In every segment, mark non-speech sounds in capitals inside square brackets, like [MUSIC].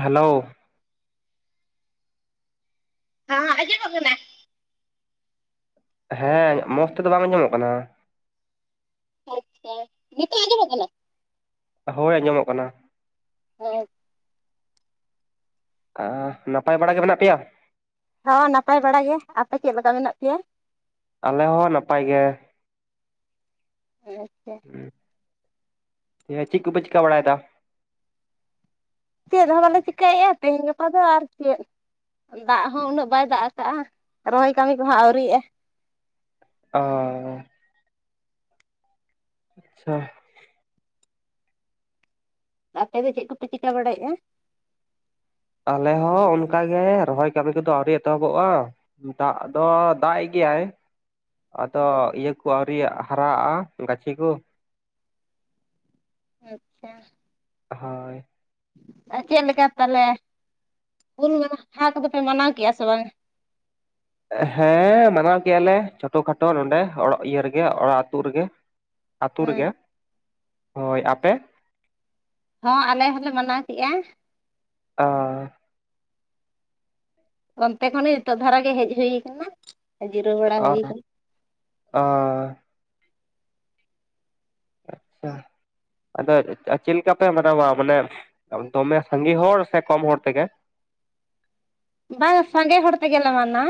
Hello ᱦᱟᱸ ᱟᱸᱡᱚᱢᱚᱜ ᱠᱟᱱᱟ ᱦᱮᱸ ᱢᱚᱸᱡᱽ ᱛᱮᱫᱚ ᱵᱟᱝ ᱟᱸᱡᱚᱢᱚᱜ ᱠᱟᱱᱟ᱾ ᱟᱪᱪᱷᱟ ᱱᱤᱛᱚᱜ ᱟᱸᱡᱚᱢᱚᱜ ᱠᱟᱱᱟ᱾ ᱦᱳᱭ ᱟᱸᱡᱚᱢᱚᱜ ᱠᱟᱱᱟ᱾ [INAUDIBLE] ᱟᱸᱻ ᱱᱟᱯᱟᱭ ᱵᱟᱲᱟ ᱜᱮ ᱢᱮᱱᱟᱜ ᱯᱮᱭᱟ ᱦᱚᱸ ᱱᱟᱯᱟᱭ ᱵᱟᱲᱟ ᱜᱮ ᱟᱯᱮ ᱪᱮᱫ ᱞᱮᱠᱟ ᱢᱮᱱᱟᱜ ᱯᱮᱭᱟ ᱟᱞᱮ ᱦᱚᱸ ᱱᱟᱯᱟᱭ ᱜᱮ᱾ ᱟᱪᱪᱷᱟ ᱤᱭᱟᱹ ᱪᱤᱠᱚᱯᱮ ᱪᱤᱠᱟ ᱵᱟᱲᱟᱭᱫᱟ? ᱪᱮᱫ ᱦᱚᱸ ᱵᱟᱚᱞᱮ ᱪᱤᱠᱟᱭᱮᱜᱼᱟ, ᱛᱤᱦᱤᱧ ᱜᱟᱯᱟ ᱫᱚ ᱟᱨ ᱪᱮᱫ? ᱫᱟᱜ ᱦᱚᱸ ᱩᱱᱟᱹᱜ ᱵᱟᱭ ᱫᱟᱜ ᱠᱟᱜᱼᱟ ᱨᱚᱦᱚᱭ ᱠᱟᱹᱢᱤ ᱠᱚᱦᱚᱸ ᱟᱹᱣᱨᱤᱭᱟᱜᱼᱟ ᱚ ᱟᱪᱪᱷᱟ ᱟᱯᱮ ᱫᱚ ᱪᱮᱜ ᱠᱚᱯᱮ ᱪᱤᱠᱟ ᱵᱟᱲᱟᱭᱮᱜᱼᱟ? ᱟᱞᱮ ᱦᱚᱸ ᱚᱱᱠᱟᱜᱮ ᱨᱚᱦᱚᱭ ᱠᱟᱹᱢᱤ ᱠᱚᱫᱚ ᱟᱹᱣᱨᱤ ᱮᱛᱚᱦᱚᱵᱚᱜᱼᱟ᱾ ᱫᱟᱜ ᱫᱚ ᱫᱟᱜᱼᱮᱜ ᱜᱮᱭᱟᱭ᱾ ᱟᱫᱚ ᱤᱭᱟᱹ ᱠᱚ ᱟᱹᱣᱨᱤ ᱦᱟᱨᱟᱜᱼᱟ ᱜᱟᱹᱪᱷᱤ ᱠᱚ᱾ ᱟᱪᱪᱷᱟ ᱦᱚᱭ ᱟ ᱪᱮᱜ ᱞᱮᱠᱟ ᱛᱟᱞᱮ ᱩᱞ ᱦᱟᱦᱟ ᱠᱚᱫᱚ ᱯᱮ ᱢᱟᱱᱟᱣ ᱠᱮᱜᱼᱟ ᱥᱮ ᱵᱟᱝ? ᱦᱮᱸ ᱢᱟᱱᱟᱣ ᱠᱮᱭᱟᱞᱮ ᱪᱷᱴᱚ ᱠᱷᱟᱴᱳ ᱱᱚᱸᱰᱮ ᱚᱲᱟᱜ ᱤᱭᱟᱹ ᱨᱮᱜᱮ ᱚᱲᱟᱜ ᱟᱹᱛᱩ ᱨᱮᱜᱮ᱾ ᱟᱹᱛᱳ ᱨᱮᱜᱮ, ᱦᱳᱭ ᱟᱯᱮ? ᱦᱚᱸ ᱟᱞᱮ ᱦᱚᱸᱞᱮ ᱢᱟᱱᱟᱣ ᱠᱮᱜᱼᱟ᱾ ᱚ ᱚᱱᱛᱮ ᱠᱷᱚᱱᱤ ᱱᱤᱛᱚᱜ ᱫᱷᱟᱨᱟ ᱜᱮ ᱦᱮᱡ ᱦᱩᱭ ᱠᱟᱱᱟ, ᱟ ᱡᱤᱨᱟᱹᱣ ᱵᱟᱲᱟ ᱦᱩᱭ ᱟᱠᱟᱱᱟ᱾ ᱟ ᱟᱪᱪᱷᱟ ᱟᱫᱚ ᱪᱮᱜ ᱞᱮᱠᱟ ᱯᱮ ᱢᱟᱱᱟᱣᱟ ᱢᱟᱱᱮ ᱫᱚᱢᱮ ᱥᱟᱸᱜᱮ ᱦᱚᱲ ᱥᱮ ᱠᱚᱢ ᱦᱚᱲ ᱛᱮᱜᱮ? ᱵᱟᱝ ᱥᱟᱸᱜᱮ ᱦᱚᱲᱛᱮ ᱜᱮᱞᱮ ᱢᱟᱱᱟ᱾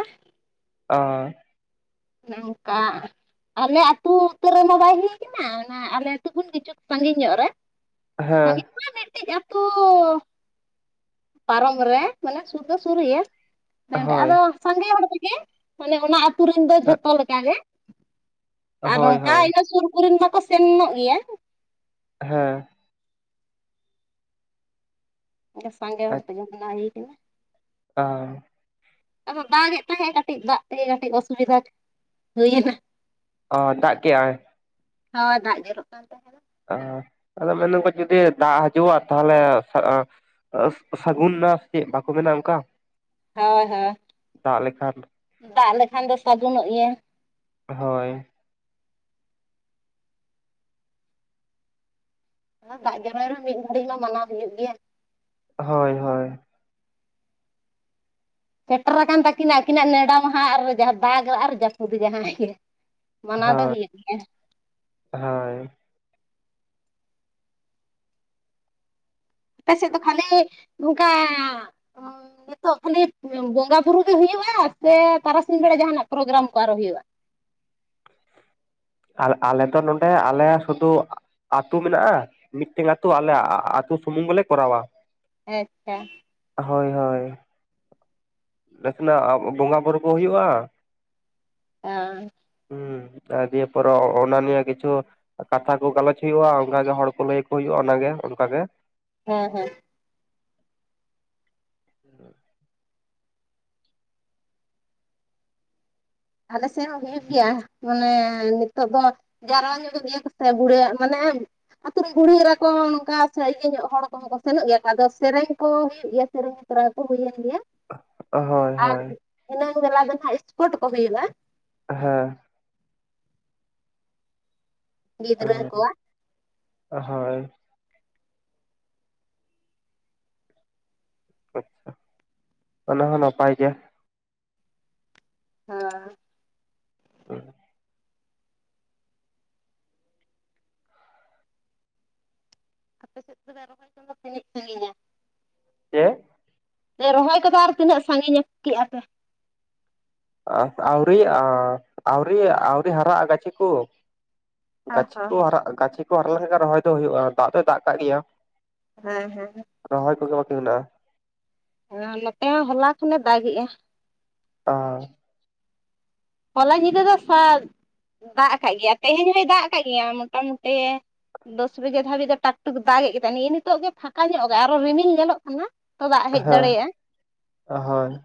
ᱟ ᱚᱱᱮᱝᱠᱟ ᱟᱞᱮ ᱟᱹᱛᱩ ᱩᱛᱟᱹᱨ ᱨᱮᱢᱟ ᱵᱟᱭ ᱦᱩᱭ ᱠᱟᱱᱟ, ᱚᱱᱟ ᱟᱞᱮ ᱟᱹᱛᱩ ᱠᱷᱚᱱ ᱠᱤᱪᱷᱩ ᱥᱟᱺᱜᱤᱧ ᱧᱚᱜ ᱨᱮ᱾ ᱦᱮᱸ ᱚᱱᱮ ᱢᱤᱫᱴᱤᱡ ᱟᱹᱛᱩ ᱯᱟᱨᱚᱢ ᱨᱮ ᱢᱟᱱᱮ ᱥᱩᱨ ᱫᱚ ᱥᱩᱨ ᱜᱮᱭᱟ᱾ ᱚᱱᱮ ᱚᱸᱰᱮ ᱦᱳᱭ ᱟᱫᱚ ᱥᱟᱸᱜᱮ ᱦᱚᱲ ᱠᱚᱜᱮ ᱢᱟᱱᱮ ᱚᱱᱟ ᱟᱹᱛᱩ ᱨᱮᱱ ᱫᱚ ᱡᱷᱚᱛᱚ ᱞᱮᱠᱟᱜ ᱜᱮ ᱟᱨ ᱦᱳᱭ ᱚᱝᱠᱟ ᱦᱳᱭ ᱤᱱᱟᱹ ᱥᱩᱨ ᱠᱚᱨᱮᱱ ᱢᱟᱠᱚ ᱥᱮᱱᱚᱜ ᱜᱮᱭᱟ᱾ ᱦᱮᱸ ᱥᱟᱸᱜᱮ ᱦᱚᱲ [UNINTELLIGIBLE] ᱟ ᱟᱫᱚ ᱫᱟᱜᱮᱜ ᱛᱟᱦᱮᱸᱜ ᱠᱟᱹᱴᱤᱡ ᱫᱟᱜ ᱛᱮᱜᱮ ᱠᱟᱹᱴᱤᱡ ᱚᱥᱩᱵᱤᱫᱟ ᱦᱩᱭᱱᱟ᱾ ᱚ ᱫᱟᱜ ᱠᱮᱜᱼᱟᱭ? ᱦᱚ ᱫᱟᱜ ᱡᱚᱨᱚᱜ ᱠᱟᱱ ᱟ ᱟᱫᱚ ᱢᱮᱱᱫᱟᱠᱚ ᱡᱩᱫᱤ ᱫᱟᱜ ᱦᱤᱡᱩᱜᱼᱟ ᱛᱟᱦᱞᱮ ᱥᱟᱹᱜᱩᱱ ᱱᱟ ᱪᱮᱜ ᱵᱟᱠᱚ ᱢᱮᱱᱟ ᱚᱝᱠᱟ? ᱦᱳᱭ ᱦᱳᱭ ᱫᱟᱜ ᱞᱮᱠᱷᱟᱱ ᱫᱚ ᱥᱟᱹᱜᱩᱱᱚᱜ ᱜᱮᱭᱟ᱾ ᱦᱳᱭ ᱫᱟᱜ ᱡᱚᱨᱟᱭ ᱨᱮᱦᱚᱸ ᱢᱤᱫ ᱜᱷᱟᱹᱲᱤᱡ ᱢᱟ ᱢᱟᱱᱟᱣ ᱦᱩᱭᱩᱜ ᱜᱮᱭᱟ᱾ ᱦᱳᱭ ᱦᱳᱭ ᱥᱮᱴᱨᱟ ᱟᱠᱟᱱ ᱛᱟᱹᱠᱤᱱᱟ ᱟᱹᱠᱤᱱᱟᱜ ᱱᱮᱰᱟ ᱢᱟᱦᱟᱸ ᱟᱨ ᱫᱟᱜᱽ ᱟᱨ ᱡᱟᱹᱯᱩᱫ ᱡᱟᱦᱟᱸ ᱜᱮ᱾ ᱢᱟᱱᱟᱣ ᱫᱚ ᱦᱩᱭᱩᱜ ᱜᱮᱭᱟ᱾ ᱦᱚᱭ ᱟᱯᱮ ᱥᱮᱫ ᱫᱚ ᱠᱷᱟᱹᱞᱤ ᱱᱚᱝᱠᱟ ᱱᱤᱛᱚᱜ ᱠᱷᱟᱹᱞᱤ ᱵᱚᱸᱜᱟ ᱵᱩᱨᱩ ᱜᱮ ᱦᱩᱭᱩᱜᱼᱟ, ᱥᱮ ᱛᱟᱨᱟᱥᱤᱧ ᱵᱮᱲᱟ ᱡᱟᱦᱟᱱᱟᱜ ᱯᱨᱳᱜᱨᱟᱢ ᱠᱚ ᱟᱨᱚ ᱦᱩᱭᱩᱜᱼᱟ? ᱟᱨ ᱟᱞᱮ ᱫᱚ ᱱᱚᱸᱰᱮ ᱟᱞᱮ ᱥᱩᱫᱩ ᱟᱹᱛᱩ ᱢᱮᱱᱟᱜᱼᱟ ᱢᱤᱫᱴᱮᱝ ᱟᱹᱛᱩ ᱟᱞᱮ ᱟ-ᱟᱹᱛᱩ ᱥᱩᱢᱩᱝ ᱜᱮᱞᱮ ᱠᱚᱨᱟᱣᱟ᱾ ᱟᱪᱪᱷᱟ ᱦᱳᱭ ᱦᱳᱭ ᱱᱟᱥᱮᱱᱟᱜ ᱵᱚᱸᱜᱟ ᱵᱩᱨᱩ ᱠᱚ ᱦᱩᱭᱩᱜᱼᱟ᱾ ᱮᱸᱻ ᱦᱩᱸ ᱟᱨ ᱫᱤᱭᱮ ᱯᱚᱨᱚ ᱚᱱᱟ ᱱᱤᱭᱟᱹ ᱠᱤᱪᱷᱩ ᱠᱟᱛᱷᱟ ᱠᱚ ᱜᱟᱞᱚᱪ ᱦᱩᱭᱩᱜᱼᱟ ᱚᱱᱠᱟᱜᱮ ᱦᱚᱲ ᱠᱚ ᱞᱟᱹᱭ ᱟ ᱦᱩᱭᱩᱜᱼᱟ ᱚᱱᱟᱜᱮ ᱚᱱᱠᱟᱜ ᱜᱮ ᱦᱮᱸᱻᱦᱮᱸᱻ ᱦᱮᱸ᱾ ᱟᱞᱮ ᱥᱮᱫ ᱦᱚᱸ ᱦᱩᱭᱩᱜ ᱜᱮᱭᱟ ᱢᱟᱱᱮ ᱱᱤᱛᱚᱜ ᱫᱚ ᱡᱟᱨᱣᱟ ᱧᱚᱜᱚᱜ ᱜᱮᱭᱟ ᱠᱚ ᱥᱮ ᱵᱩᱲᱟᱹᱭᱟᱜ ᱢᱟᱱᱮ ᱟᱹᱛᱩ ᱨᱮ ᱵᱩᱲᱦᱤ ᱮᱨᱟ ᱠᱚ ᱱᱚᱝᱠᱟ ᱥᱮ ᱤᱭᱟᱹ ᱧᱚᱜ ᱦᱚᱲ ᱠᱚ ᱠᱚ ᱥᱮᱱᱚᱜ ᱜᱮᱭᱟ ᱠᱚ ᱟᱫᱚ ᱥᱮᱨᱮᱧ ᱠᱚ ᱦᱩᱭᱩᱜ ᱜᱮᱭᱟ ᱥᱮᱨᱮᱧ ᱛᱚᱨᱟᱠᱚ ᱦᱩᱭᱮᱱ ᱜᱮᱭᱟ ᱦᱳᱭ ᱦᱳᱭ ᱾ ᱫᱷᱤᱱᱟᱹᱱ ᱵᱮᱞᱟ ᱫᱚ ᱦᱟᱸᱜ ᱮᱥᱯᱚᱨᱴ ᱠᱚ ᱦᱩᱭᱩᱜᱼᱟ᱾ ᱦᱮᱸ ᱜᱤᱫᱽᱨᱟᱹ ᱠᱚ ᱦᱳᱭ ᱟᱪᱪᱷᱟ ᱚᱱᱟ ᱦᱚᱸ ᱱᱟᱯᱟᱭ ᱜᱮ᱾ ᱦᱮᱸ [INAUDIBLE] ᱟᱯᱮ ᱥᱮᱫ ᱛᱚᱵᱮ ᱨᱚᱦᱚᱭ ᱠᱚᱫᱚ ᱛᱤᱱᱟᱹᱜ ᱥᱟᱺᱜᱤᱧᱟ? ᱪᱮ? ᱨᱚᱦᱚᱭ ᱠᱚᱫᱚ ᱟᱨ ᱛᱤᱱᱟᱹᱜ ᱥᱟᱺᱜᱤᱧᱟ ᱠᱮᱜᱼᱟ ᱯᱮ? ᱚ ᱟᱹᱣᱨᱤᱭᱟᱜᱼᱟ ᱟᱹᱣᱨᱤ ᱟᱹᱣᱨᱤ ᱦᱟᱨᱟᱜᱼᱟ ᱜᱟᱹᱪᱷᱤ ᱠᱚ ᱾ ᱜᱟᱹᱪᱷᱤ ᱠᱚ ᱦᱟᱨᱟᱜ ᱜᱟᱹᱪᱷᱤ ᱠᱚ ᱦᱟᱨᱟ ᱞᱮᱱᱠᱷᱟᱱ ᱨᱚᱦᱚᱭ ᱫᱚ ᱦᱩᱭᱩᱜᱼᱟ ᱫᱟᱜ ᱫᱚᱭ ᱫᱟᱜ ᱠᱟᱜ ᱜᱮᱭᱟ᱾ ᱾ ᱦᱮᱸᱻᱦᱮᱸᱻ ᱨᱚᱦᱚᱭ ᱠᱚᱜᱮ ᱵᱟᱠᱤ ᱢᱮᱱᱟᱜᱼᱟ᱾ ᱦᱮᱸ ᱱᱚᱛᱮ ᱦᱚᱞᱟ ᱠᱷᱚᱱᱮ ᱫᱟᱜᱮᱜᱼᱟ᱾ ᱟ ᱦᱚᱞᱟ ᱧᱤᱫᱟᱹ ᱫᱚ ᱥᱟᱫᱽ ᱫᱟᱜ ᱟᱠᱟᱫ ᱜᱮᱭᱟ, ᱛᱮᱦᱮᱧ ᱦᱚᱸᱭ ᱫᱟᱜ ᱟᱠᱟᱫ ᱜᱮᱭᱟ ᱢᱚᱴᱟᱢᱩᱴᱤ ᱫᱚᱥ ᱵᱟᱡᱮ ᱫᱷᱟᱹᱵᱤᱡ ᱫᱚ ᱴᱟᱠ ᱴᱚᱠ ᱫᱟᱜᱮᱫ ᱠᱮᱫᱟ ᱱᱤᱭᱟᱹ ᱱᱤᱛᱚᱜ ᱜᱮ ᱯᱷᱟᱸᱠᱟ ᱧᱚᱜ ᱟᱠᱟᱜᱼᱟᱭ ᱟᱨᱚ ᱨᱤᱢᱤᱞ ᱧᱮᱞᱚᱜ ᱠᱟᱱᱟ᱾ ᱛᱚ ᱫᱟᱜ ᱦᱮᱡ ᱦᱮᱸ, ᱫᱟᱲᱮᱭᱟᱜᱼᱟ ᱦᱳᱭ ᱾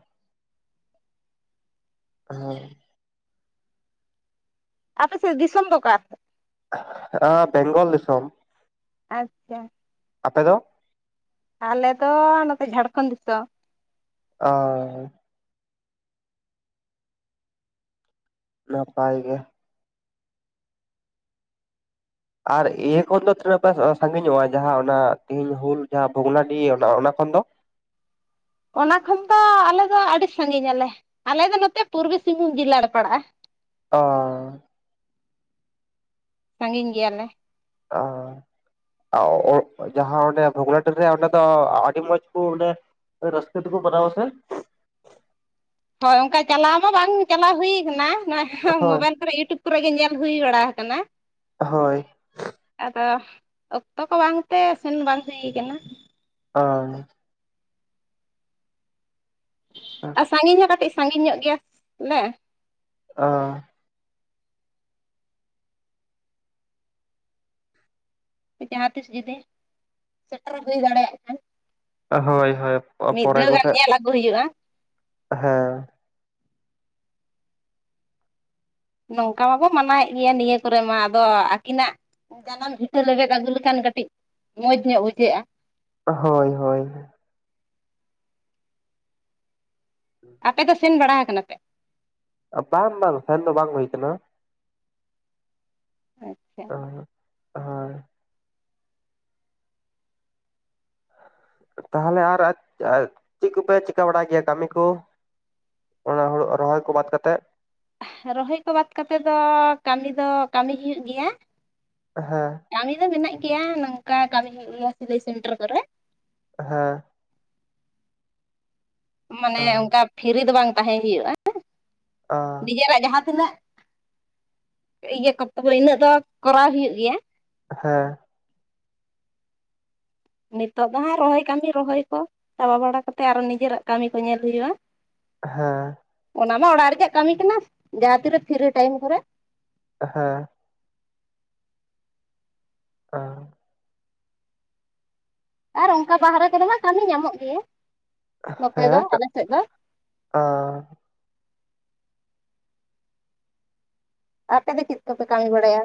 ᱦᱮᱸ ᱾ ᱟᱯᱮ ᱥᱮᱫ ᱫᱤᱥᱚᱢ ᱫᱚ ᱚᱠᱟ ᱥᱮ ᱟ ᱵᱮᱝᱜᱚᱞ ᱫᱤᱥᱚᱢ ᱾ ᱟᱪᱪᱷᱟ ᱾ ᱟᱯᱮ ᱫᱚ? ᱟᱞᱮ ᱱᱚᱛᱮ ᱡᱷᱟᱲᱠᱷᱚᱸᱰ ᱫᱤᱥᱚᱢ ᱾ ᱟᱸᱭ ᱾ ᱱᱟᱯᱟᱭ ᱜᱮ᱾ ᱟᱨ ᱤᱭᱟᱹ ᱠᱷᱚᱱ ᱫᱚ ᱛᱤᱱᱟᱹᱜ ᱯᱮ ᱥᱟᱺᱜᱤᱧ ᱧᱚᱜᱼᱟ ᱡᱟᱦᱟᱸ ᱚᱱᱟ ᱛᱮᱦᱮᱧ ᱦᱩᱞ ᱡᱟᱦᱟᱸ ᱵᱷᱚᱜᱽᱱᱟᱰᱤᱦ ᱚᱱᱟ ᱚᱱᱟ ᱠᱷᱚᱱ ᱫᱚ? ᱚᱱᱟ ᱠᱷᱚᱱ ᱫᱚ ᱟᱞᱮ ᱫᱚ ᱟᱹᱰᱤ ᱥᱟᱺᱜᱤᱧ ᱟᱞᱮ ᱾ ᱟᱞᱮ ᱫᱚ ᱱᱚᱛᱮ ᱯᱩᱨᱵᱤ ᱥᱤᱝᱵᱷᱩᱢ ᱡᱤᱞᱟ ᱨᱮ ᱯᱟᱲᱟᱜᱼᱟ᱾ ᱟᱸᱻ ᱥᱟᱺᱜᱤᱧ ᱜᱮᱭᱟᱞᱮ ᱟᱸᱻ ᱚ ᱡᱟᱦᱟᱸ ᱚᱸᱰᱮ ᱵᱷᱚᱜᱽᱱᱟᱰᱤᱦ ᱨᱮ ᱚᱸᱰᱮ ᱫᱚ ᱟᱹᱰᱤ ᱢᱚᱸᱡᱽ ᱠᱚ ᱚᱸᱰᱮ ᱨᱟᱹᱥᱠᱟᱹ ᱛᱮᱠᱚ ᱵᱟᱱᱟᱣᱟ ᱥᱮ? ᱦᱳᱭ, ᱚᱱᱠᱟ ᱪᱟᱞᱟᱣ ᱢᱟ ᱵᱟᱝ ᱪᱟᱞᱟᱣ ᱦᱩᱭ ᱠᱟᱱᱟ, ᱦᱳᱭ ᱢᱳᱵᱟᱭᱤᱞ ᱠᱚᱨᱮ ᱤᱭᱩᱴᱩᱵᱽ ᱠᱚᱨᱮ ᱜᱮ ᱧᱮᱞ ᱦᱩᱭ ᱵᱟᱲᱟ ᱟᱠᱟᱱᱟ᱾ ᱦᱳᱭ ᱟᱫᱚ ᱚᱠᱛᱚ ᱠᱚ ᱵᱟᱝᱛᱮ ᱥᱮᱱ ᱵᱟᱝ ᱦᱩᱭ ᱠᱟᱱᱟ ᱾ ᱚ ᱟᱨ ᱥᱟᱺᱜᱤᱧ ᱦᱚᱸ ᱠᱟᱹᱴᱤᱡ ᱥᱟᱺᱜᱤᱧ ᱧᱚᱜ ᱜᱮᱭᱟ ᱾ ᱚᱱᱮ ᱚᱸᱻ ᱡᱟᱦᱟᱸ ᱛᱤᱥ ᱡᱩᱫᱤ ᱥᱮᱴᱮᱨ ᱵᱟᱹᱧ ᱫᱟᱲᱮᱭᱟᱜ ᱠᱷᱟᱱ ᱾ ᱦᱳᱭ ᱦᱳᱭ, ᱯᱚᱨᱮ ᱜᱟᱱ ᱠᱚᱥᱮ ᱾ ᱧᱮᱞ ᱦᱩᱭᱩᱜᱼᱟ ᱾ ᱦᱮᱸ ᱾ ᱱᱚᱝᱠᱟ ᱢᱟᱵᱚ ᱢᱟᱱᱟᱣᱭᱮᱫ ᱜᱮᱭᱟ, ᱱᱤᱭᱟᱹ ᱠᱚᱨᱮ ᱢᱟ, ᱟᱫᱚ ᱟᱹᱠᱤᱱᱟᱜ ᱡᱟᱱᱟᱢ ᱵᱷᱤᱴᱟᱹ ᱞᱮᱵᱮᱫ ᱟᱹᱜᱩ ᱞᱮᱠᱷᱟᱱ ᱠᱟᱹᱴᱤᱡ ᱢᱚᱡᱽ ᱧᱚᱜ ᱵᱩᱡᱷᱟᱹᱜᱼᱟ ᱾ ᱦᱳᱭ ᱦᱳᱭ ᱾ ᱟᱯᱮ ᱫᱚ ᱥᱮᱱ ᱵᱟᱲᱟ ᱟᱠᱟᱱᱟ ᱯᱮ? ᱵᱟᱝ ᱵᱟᱝ ᱥᱮᱱ ᱫᱚ ᱵᱟᱝ ᱦᱩᱭ ᱟᱠᱟᱱᱟ ᱾ ᱚᱸ ᱛᱟᱦᱚᱞᱮ ᱟᱨ ᱪᱮᱫ ᱠᱚᱯᱮ ᱪᱤᱠᱟᱹ ᱵᱟᱲᱟᱭ ᱜᱮᱭᱟ, ᱠᱟᱹᱢᱤ ᱠᱚ? ᱚᱱᱟ ᱦᱩᱲᱩ ᱨᱚᱦᱚᱭ ᱠᱚ ᱵᱟᱫ ᱠᱟᱛᱮᱫ᱾ ᱨᱚᱦᱚᱭ ᱠᱚ ᱵᱟᱫᱽ ᱠᱟᱛᱮ ᱫᱚ ᱠᱟᱹᱢᱤ ᱫᱚ, ᱠᱟᱹᱢᱤ ᱦᱩᱭᱩᱜ ᱜᱮᱭᱟ ᱾ ᱦᱮᱸ ᱾ ᱠᱟᱹᱢᱤ ᱫᱚ ᱢᱮᱱᱟᱜ ᱜᱮᱭᱟ ᱱᱚᱝᱠᱟ ᱠᱟᱹᱢᱤ ᱥᱤᱞᱟᱹᱭ ᱥᱮᱱᱴᱟᱨ ᱠᱚᱨᱮ ᱾ ᱦᱮᱸ ᱾ ᱢᱟᱱᱮ ᱚᱱᱠᱟ ᱯᱷᱨᱤ ᱫᱚ ᱵᱟᱝ ᱛᱟᱦᱮᱸ ᱦᱩᱭᱩᱜᱼᱟ, ᱟ ᱱᱤᱡᱮᱨᱟᱜ ᱡᱟᱦᱟᱸ ᱛᱤᱱᱟᱹᱜ [UNINTELLIGIBLE] ᱤᱱᱟᱹᱜ ᱫᱚ ᱠᱚᱨᱟᱣ ᱦᱩᱭᱩᱜ ᱜᱮᱭᱟ᱾ ᱦᱮᱸ ᱱᱤᱛᱚᱜ ᱫᱚ ᱦᱟᱸᱜ ᱨᱚᱦᱚᱭ ᱠᱟᱹᱢᱤ ᱨᱚᱦᱚᱭ ᱠᱚ ᱪᱟᱵᱟ ᱵᱟᱲᱟ ᱠᱟᱛᱮ, ᱟᱨᱚ ᱱᱤᱡᱮᱨᱟᱜ ᱠᱟᱹᱢᱤ ᱠᱚ ᱧᱮᱞ ᱦᱩᱭᱩᱜᱼᱟ᱾ ᱦᱮᱸ ᱚᱱᱟ ᱢᱟ ᱚᱲᱟᱜ ᱨᱮᱭᱟᱜ ᱠᱟᱹᱢᱤ ᱠᱟᱱᱟ, ᱡᱟᱦᱟᱸ ᱛᱤᱨᱮ ᱯᱷᱤᱨᱤ ᱴᱟᱭᱤᱢ ᱠᱚᱨᱮ᱾ ᱦᱮᱸ [UNINTELLIGIBLE] ᱟᱨ ᱚᱱᱠᱟ ᱵᱟᱦᱨᱮ ᱠᱚᱨᱮ ᱢᱟ ᱠᱟᱹᱢᱤ ᱧᱟᱢᱚᱜ ᱜᱮ᱾ ᱦᱮᱸ, ᱚᱸ ᱟᱯᱮ ᱫᱚ ᱪᱮᱫ ᱠᱚᱯᱮ ᱠᱟᱹᱢᱤ ᱵᱟᱲᱟᱭᱟ?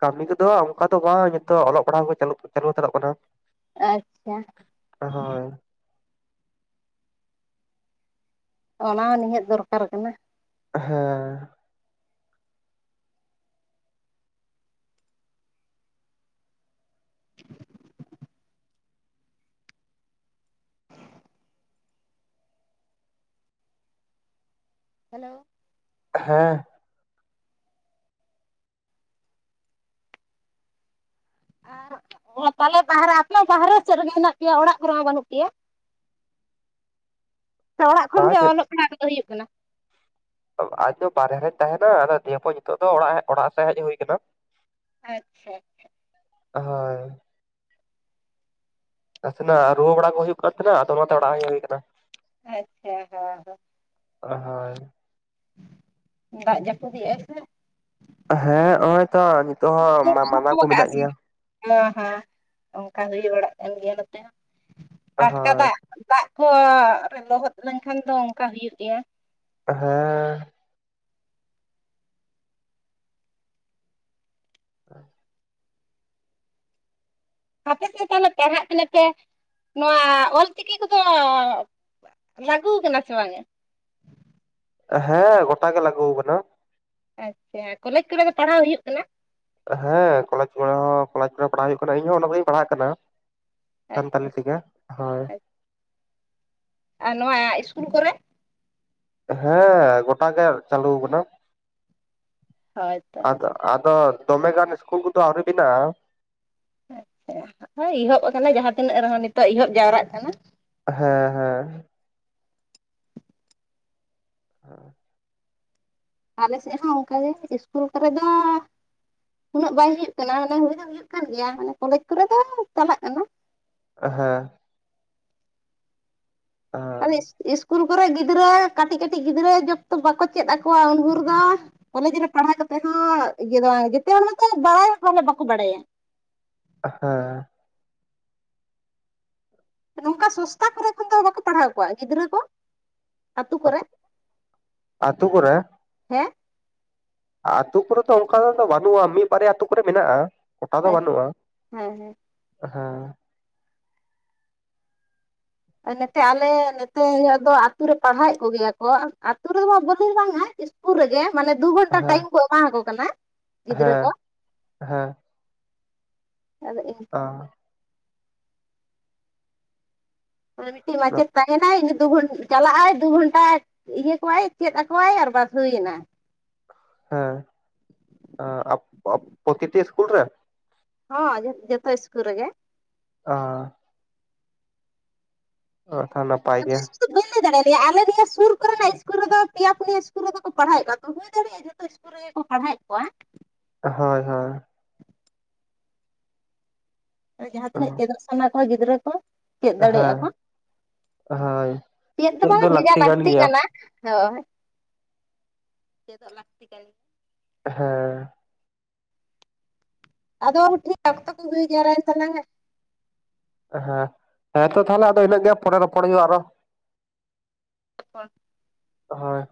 ᱠᱟᱹᱢᱤ ᱠᱚᱫᱚ ᱚᱱᱠᱟ ᱫᱚ ᱵᱟᱝ ᱱᱤᱛᱚᱜ ᱚᱞᱚᱜ -ᱯᱟᱲᱦᱟᱜ ᱠᱚᱜᱮ ᱪᱟᱞᱟᱜ ᱪᱟᱞᱩ ᱦᱟᱛᱟᱲᱚᱜ ᱠᱟᱱᱟ᱾ ᱟᱪᱪᱷᱟ ᱦᱳᱭ ᱚᱱᱟ ᱦᱚᱸ ᱱᱤᱦᱟᱹᱛ ᱫᱚᱨᱠᱟᱨ ᱠᱟᱱᱟ᱾ ᱦᱮᱸ [UNINTELLIGIBLE] ᱦᱮᱞᱳ! ᱦᱮᱸ᱾ ᱟᱨ ᱛᱟᱦᱞᱮ ᱵᱟᱦᱨᱮ ᱟᱯᱮ ᱵᱟᱦᱨᱮ ᱥᱮᱫ ᱨᱮᱜᱮ ᱢᱮᱱᱟᱜ ᱯᱮᱭᱟ, ᱚᱲᱟᱜ ᱠᱚᱨᱮ ᱦᱚᱸ ᱵᱟᱹᱱᱩᱜ ᱯᱮᱭᱟ? [UNINTELLIGIBLE] ᱥᱮ ᱚᱲᱟᱜ ᱠᱷᱚᱱ ᱵᱟᱝ ᱜᱮ ᱧᱤᱛ ᱚᱞᱚᱜ ᱯᱟᱲᱦᱟᱜ ᱫᱚ ᱦᱩᱭᱩᱜ ᱠᱟᱱᱟ? ᱟᱡ ᱫᱚ ᱵᱟᱨᱦᱮ ᱨᱮ ᱛᱟᱦᱮᱱᱟ ᱟᱫᱚ ᱫᱤᱭᱮ ᱯᱚᱨ ᱱᱤᱛᱚᱜ ᱫᱚ ᱚᱲᱟᱜ ᱚᱲᱟᱜ ᱥᱮᱡᱽ ᱦᱮᱡ ᱦᱩᱭ ᱟᱠᱟᱱᱟ᱾ ᱟᱪᱪᱷᱟ ᱦᱳᱭ ᱱᱟᱥᱮ ᱱᱟᱜ ᱨᱩᱣᱟᱹ ᱵᱟᱲᱟ ᱠᱚ ᱦᱩᱭᱩᱜ ᱠᱟᱱ ᱛᱟᱦᱮᱱᱟ᱾ ᱟᱫᱚ ᱚᱱᱟᱛᱮ ᱚᱲᱟᱜ ᱦᱮᱡ ᱦᱩᱭ ᱟᱠᱟᱱᱟ᱾ ᱟᱪᱪᱷᱟ, ᱦᱳᱭ᱾ ᱦᱳᱭ ᱫᱟᱜ ᱡᱟᱹᱯᱩᱫ ᱤᱫᱟᱭ ᱥᱮ? ᱦᱮᱸ ᱱᱚᱜ ᱼᱚᱭ ᱛᱚ, ᱱᱤᱛᱚᱜ ᱦᱚᱸ ᱢᱟᱼ ᱢᱟᱫᱟ ᱠᱩ ᱢᱤᱱᱟᱜ ᱜᱤᱭᱟ᱾ ᱦᱟᱸ ᱦᱟᱸ ᱚᱱᱠᱟ ᱦᱳᱭ ᱵᱟᱲᱟᱜ ᱠᱟᱱ ᱜᱮᱭᱟ ᱱᱚᱛᱮ ᱦᱚᱸ, ᱴᱚᱴᱠᱟ ᱦᱳᱭ ᱫᱟᱜ ᱫᱟᱜ ᱠᱚ ᱨᱮ ᱞᱚᱦᱚᱫ ᱞᱮᱱᱠᱷᱟᱱ ᱫᱚ ᱚᱱᱠᱟ ᱦᱩᱭᱩᱜ ᱜᱮᱭᱟ᱾ ᱦᱮᱸ [UNINTELLIGIBLE] ᱦᱟᱯᱮ ᱥᱮᱫ ᱯᱟᱲᱦᱟᱜ ᱠᱟᱱᱟ ᱯᱮ᱾ ᱱᱚᱣᱟ ᱚᱞᱪᱤᱠᱤ ᱠᱚᱫᱚ ᱞᱟᱜᱩ ᱟᱠᱟᱱᱟ ᱥᱮ ᱵᱟᱝ ᱜᱮ? ᱦᱮᱸ ᱜᱚᱴᱟ ᱜᱮ ᱞᱟᱜᱩ ᱟᱠᱟᱱᱟ᱾ ᱟᱪᱪᱷᱟ ᱠᱚᱞᱮᱡᱽ ᱠᱚᱨᱮ ᱫᱚ ᱯᱟᱲᱦᱟᱣ ᱦᱩᱭᱩᱜ ᱠᱟᱱᱟ? ᱦᱮᱸ ᱠᱚᱞᱮᱡᱽ ᱠᱚᱨᱮ ᱦᱚᱸ, ᱠᱚᱞᱮᱡᱽ ᱠᱚᱨᱮ ᱯᱟᱲᱦᱟᱜ ᱦᱩᱭᱩᱜ ᱠᱟᱱᱟ᱾ ᱤᱧ ᱦᱚᱸ ᱚᱸᱰᱮ ᱠᱷᱚᱡ ᱯᱟᱲᱦᱟᱜ ᱠᱟᱱᱟ᱾ ᱟᱪᱪᱷᱟ ᱥᱟᱱᱛᱟᱞᱤ ᱛᱮ ᱜᱮ, ᱦᱳᱭ᱾ ᱟᱨ ᱱᱚᱣᱟ ᱤᱥᱠᱩᱞ ᱠᱚᱨᱮ? ᱦᱮᱸ ᱜᱚᱴᱟ ᱜᱮ ᱪᱟᱹᱞᱩ ᱟᱠᱟᱱᱟ᱾ ᱦᱳᱭᱛᱚ ᱟᱫ ᱟᱫᱚ ᱫᱚᱢᱮ ᱜᱟᱱ ᱤᱥᱠᱩᱞ ᱠᱚᱫᱚ ᱟᱹᱣᱨᱤ ᱵᱤᱱᱟᱜᱼᱟ᱾ [UNINTELLIGIBLE] ᱤᱦᱚᱵ ᱟᱠᱟᱱᱟ, ᱡᱟᱦᱟᱸ ᱛᱤᱱᱟᱹᱜ ᱨᱮᱦᱚᱸ ᱱᱤᱛᱚᱜ ᱮᱦᱚᱵ ᱡᱟᱣᱨᱟᱜ ᱠᱟᱱᱟ᱾ ᱦᱮᱸ ᱦᱮᱸ [UNINTELLIGIBLE] ᱟᱞᱮᱥᱮᱫ ᱦᱚᱸ ᱚᱱᱠᱟ ᱜᱮ ᱤᱥᱠᱩᱞ ᱠᱚᱨᱮ ᱫᱚ ᱩᱱᱟᱹᱜ ᱵᱟᱭ ᱦᱩᱭᱩᱜ ᱠᱟᱱᱟ᱾ ᱢᱟᱱᱮ ᱦᱩᱭ ᱫᱚ ᱦᱩᱭᱩᱜ ᱠᱟᱱ ᱜᱮᱭᱟ᱾ ᱢᱟᱱᱮ ᱠᱚᱞᱮᱡᱽ ᱠᱚᱨᱮ ᱫᱚ ᱪᱟᱞᱟᱜ ᱠᱟᱱᱟ᱾ ᱦᱮᱸ ᱟᱫᱚ ᱤᱥᱠᱩᱞ ᱠᱚᱨᱮ ᱜᱤᱫᱽᱨᱟᱹ ᱠᱟᱹᱴᱤᱡ ᱠᱟᱹᱴᱤᱡ ᱜᱤᱫᱽᱨᱟᱹ ᱡᱚᱵ ᱛᱚᱠ ᱵᱟᱠᱚ ᱪᱮᱫ ᱟᱠᱚᱣᱟ ᱩᱱ ᱵᱷᱩᱨ ᱫᱚ ᱠᱚᱞᱮᱡᱽ ᱨᱮ ᱯᱟᱲᱦᱟᱣ ᱠᱟᱛᱮᱫ ᱦᱚᱸ ᱤᱭᱟᱹ ᱫᱚ ᱵᱟᱝ᱾ ᱡᱤᱛᱮ ᱦᱚᱲ ᱢᱟᱛᱚ ᱵᱟᱲᱟᱭ ᱦᱚᱸ ᱵᱟᱠᱚ ᱵᱟᱲᱟᱭᱟ᱾ ᱦᱮᱸ᱾ ᱱᱩᱝᱠᱟ ᱥᱩᱥᱛᱟ ᱠᱚᱨᱮ ᱠᱷᱚᱱ ᱫᱚ ᱵᱟᱠᱚ ᱯᱟᱲᱦᱟᱣ ᱠᱚᱣᱟ ᱜᱤᱫᱽᱨᱟᱹ ᱠᱚ? ᱟᱹᱛᱩ ᱠᱚᱨᱮ, ᱟᱹᱛᱩ ᱠᱚᱨᱮ ᱦᱮᱸ᱾ ᱟᱹᱛᱩ ᱠᱚᱨᱮ ᱫᱚ ᱚᱱᱠᱟ ᱫᱚ ᱵᱟᱹᱱᱩᱜᱼᱟ᱾ ᱢᱤᱫ ᱵᱟᱨᱭᱟ ᱟᱹᱛᱩ ᱠᱚᱨᱮ ᱢᱮᱱᱟᱜᱼᱟ, ᱜᱳᱴᱟ ᱫᱚ ᱦᱮᱸ ᱵᱟᱹᱱᱩᱜᱼᱟ᱾ ᱦᱮᱸ ᱦᱮᱸ᱾ ᱱᱮᱛᱮ ᱟᱞᱮ ᱱᱮᱛᱮ ᱭᱚᱫᱚ ᱟᱹᱛᱩ ᱨᱮ ᱯᱟᱲᱦᱟᱣᱮᱫ ᱠᱚᱜᱮᱭᱟ ᱠᱚ᱾ ᱟᱹᱛᱩ ᱨᱮᱫᱚ ᱢᱟ ᱵᱚᱞᱤᱥ ᱵᱟᱝ ᱟ ᱤᱥ -ᱠᱩᱞ ᱨᱮᱜᱮ ᱢᱟᱱᱮ ᱫᱩ ᱜᱷᱚᱱᱴᱟ ᱦᱮᱸ ᱴᱟᱭᱤᱢ ᱠᱚ ᱮᱢᱟᱣ ᱠᱚ ᱠᱟᱱᱟ, ᱜᱤᱫᱽᱨᱟᱹ ᱦᱮᱸ ᱠᱚ᱾ ᱦᱮᱸ ᱟᱫᱚ ᱤᱧ ᱚᱸ ᱢᱟᱱᱮ ᱢᱤᱫᱴᱮᱡ ᱢᱟᱪᱮᱫ ᱛᱟᱭ᱾ ᱢᱮᱱᱟᱭ ᱫᱩ ᱜᱷᱚᱱ ᱪᱟᱞᱟᱜᱼᱟᱭ ᱫᱩ ᱜᱷᱚᱱᱴᱟ ᱤᱭᱟᱹ ᱠᱚᱣᱟᱭ, ᱪᱮᱫ ᱟᱠᱚᱣᱟᱭ ᱟᱨ ᱵᱟᱥ ᱦᱩᱭᱱᱟ᱾ ᱦᱮᱸ, ᱟ ᱟᱯ ᱟᱯ ᱯᱚᱛᱤᱴᱤ ᱤᱥᱠᱩᱞ ᱨᱮ? ᱦᱚᱸ ᱡᱷᱚᱛ ᱡᱷᱚᱛᱚ ᱤᱥᱠᱩᱞ ᱨᱮᱜᱮ᱾ ᱚᱸ᱾ ᱚ, ᱛᱟ ᱱᱟᱯᱟᱭ ᱟᱫᱚ ᱜᱮᱭᱟ᱾ ᱤᱥᱠᱩᱞ ᱵᱟᱹᱧ ᱞᱟᱹᱭ ᱫᱟᱲᱮᱭᱟᱫᱮᱭᱟ, ᱟᱞᱮ ᱱᱤᱭᱟᱹ ᱥᱩᱨ ᱠᱚᱨᱮᱱᱟᱜ ᱤᱥᱠᱩᱞ ᱨᱮᱫᱚ ᱯᱮᱭᱟ ᱯᱩᱱᱭᱟ ᱥᱠᱩᱞ ᱨᱮᱫᱚ ᱠᱚ᱾ ᱯᱟᱲᱦᱟᱣᱮᱫ ᱠᱚᱣᱟ ᱛᱚ ᱦᱩᱭ ᱫᱟᱲᱤᱜ᱾ ᱥᱮ ᱡᱷᱚᱛᱚ ᱤᱥᱠᱩᱞ ᱨᱮᱜᱮ ᱠᱚ ᱯᱟᱲᱦᱟᱣᱮᱫ ᱠᱚᱣᱟ᱾ ᱦᱳᱭ ᱦᱳᱭ᱾ ᱟᱨ ᱡᱟᱦᱟᱸ ᱛᱤᱱᱟᱹᱜ ᱪᱮᱫᱚᱜ ᱥᱟᱱᱟ ᱠᱚᱣᱟ ᱜᱤᱫᱽᱨᱟᱹ ᱠᱚ᱾ ᱪᱮᱫ ᱫᱟᱲᱮᱭᱟᱜᱼᱟ ᱦᱮᱸ ᱠᱚ, ᱦᱳᱭ ᱪᱮᱫ ᱫᱚ ᱵᱟᱝ ᱵᱷᱮᱡᱟ ᱞᱟᱹᱠᱛᱤ ᱠᱟᱱᱟ ᱦᱳᱭ᱾ ᱪᱮᱫᱚᱜ ᱞᱟᱠᱛᱤ ᱠᱟᱱ᱾ ᱦᱮᱸ᱾ ᱟᱫᱚ ᱴᱷᱤᱠ ᱚᱠᱛᱚ ᱠᱚ ᱦᱩᱭ ᱡᱟᱣᱨᱟᱭᱮᱱ ᱛᱟᱞᱟᱝᱼᱟ᱾ ᱦᱮᱸ, ᱦᱮᱸ ᱛᱚ ᱛᱟᱦᱞᱮ ᱟᱫᱚ ᱤᱱᱟᱹᱜ ᱜᱮ ᱯᱚᱨᱮ ᱨᱚᱯᱚᱲ ᱦᱩᱭᱩᱜᱼᱟ, ᱟᱨᱚ᱾ ᱦᱳᱭ ᱾ ᱦᱚᱭ᱾